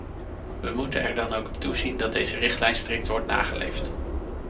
We moeten er dan ook op toezien dat deze richtlijn strikt wordt nageleefd.